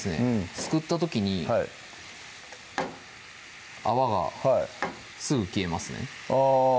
すくった時に泡がすぐ消えますねあぁ